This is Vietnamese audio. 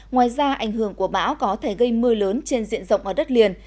ngoài ra ảnh hưởng của bão có thể gây mưa lớn trên diện rộng ở đất liền